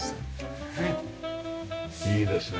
いいですね。